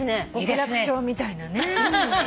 極楽鳥みたいなね。